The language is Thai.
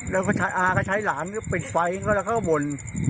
แล้วก็อ้าก็ใช้หลานเปิดไฟแล้วก็บน